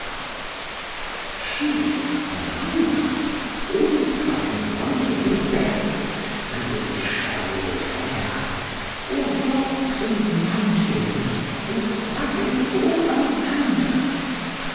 _—— She—(Amanda) all the time wandering barefoot, and with dishevell'd hair, o'er rocks and mountains, enquiring for _Amandus!